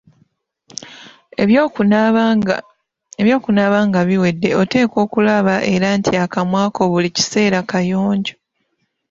Eby'okunaaba nga biwedde oteekwa okulaba era nti akamwa ko buli kiseera kayonjo.